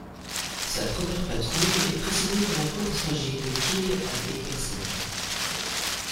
Sa première patrouille est précédée par un court trajet de Kiel à Egersund.